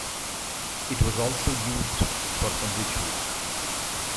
It was also used for some rituals.